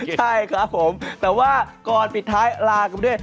ใช่ครับผมแต่ว่าก่อนปิดท้ายลากันไปด้วย